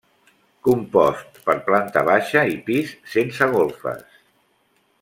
Compost per planta baixa i pis, sense golfes.